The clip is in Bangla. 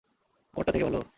আমারটা থেকে ভালো?